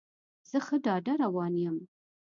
زه ښه ډاډه روان یم.